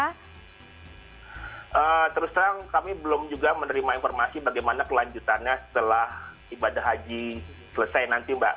terus terang kami belum juga menerima informasi bagaimana kelanjutannya setelah ibadah haji selesai nanti mbak